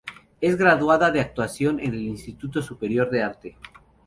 Es graduada de actuación en el Instituto Superior de Arte.